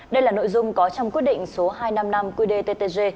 đây là nội dung có trong quyết định số hai trăm năm mươi năm qdttg